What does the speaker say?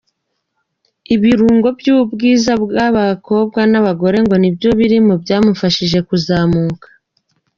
Iburungo by'ubwiza bw'abakobwa n'abagore ngo nabyo biri mu byamufashije kuzamuka.